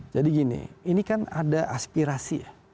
jadi gini ini kan ada aspirasi